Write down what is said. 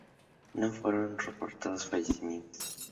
No fueron reportados fallecimientos.